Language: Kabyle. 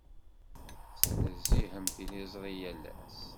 Tettnezzihem tiliẓri yal ass?